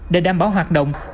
để đảm bảo hoạt động